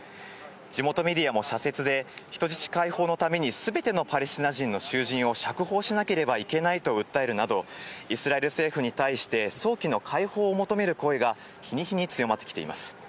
地元メディアも社説で、人質解放のためにすべてのパレスチナ人の囚人を釈放しなければいけないと訴えるなど、イスラエル政府に対して、早期の解放を求める声が、日に日に強まってきています。